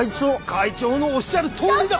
会長のおっしゃるとおりだ！